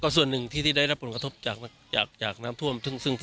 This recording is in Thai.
ส่วนหนึ่งที่ได้รับผลกระทบจากน้ำท่วม